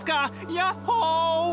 ヤッホー！